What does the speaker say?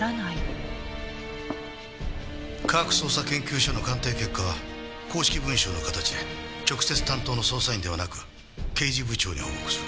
科学捜査研究所の鑑定結果は公式文書の形で直接担当の捜査員ではなく刑事部長に報告する事。